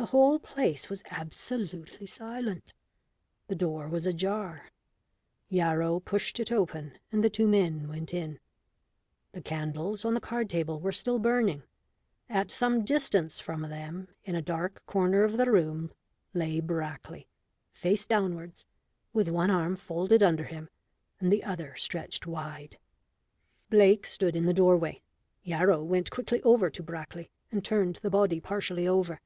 The whole place was absolutely silent. The door was ajar; Yarrow pushed it open, and the two men went in. The candles on the card table were still burning. At some distance from them, in a dark corner of the room, lay Brackley, face downwards, with one arm folded under him and the other stretched wide. Blake stood in the doorway. Yarrow went quickly over to Brackley, and turned the body partially over.